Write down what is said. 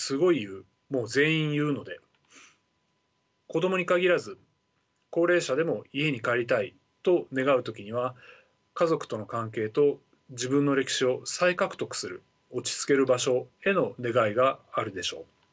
子どもに限らず高齢者でも「家に帰りたい」と願う時には家族との関係と自分の歴史を再獲得する落ち着ける場所への願いがあるでしょう。